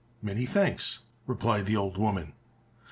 "Many thanks," replied the old woman.